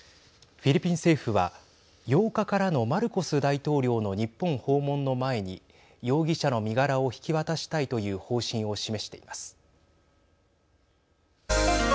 フィリピン政府は８日からのマルコス大統領の日本訪問の前に容疑者の身柄を引き渡したいという方針を示しています。